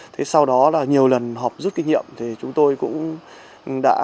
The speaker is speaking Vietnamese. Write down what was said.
thế sau đó là nhiều lần họp rút kinh nghiệm thì chúng tôi cũng đã